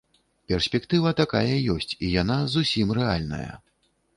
Перспектыва такая ёсць, і яна зусім рэальная.